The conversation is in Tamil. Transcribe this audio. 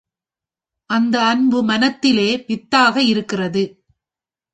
அந்த அன்பு மனத்திலே வித்தாக இருக்கிறது.